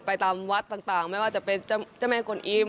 ตามวัดต่างไม่ว่าจะเป็นเจ้าแม่กลอิม